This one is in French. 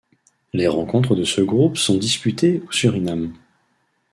Les rencontres de ce groupe sont disputées au Suriname.